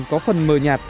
có phần mờ nhạt